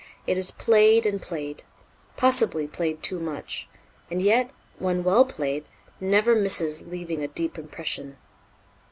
It is played and played, possibly played too much; and yet, when well played, never misses leaving a deep impression.